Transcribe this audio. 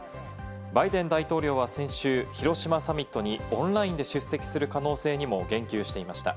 バイデン大統領は先週、広島サミットにオンラインで出席する可能性にも言及していました。